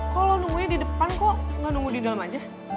kalo lo nunggu di depan kok gak nunggu di dalam aja